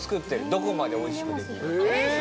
どこまでおいしくできんのか。